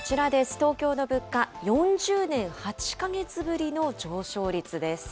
東京の物価、４０年８か月ぶりの上昇率です。